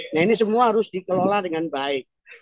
nah ini semua harus dikelola dengan baik